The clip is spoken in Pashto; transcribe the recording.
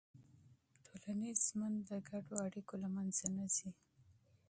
ټولنیز ژوند د ګډو اړیکو له منځه نه ځي.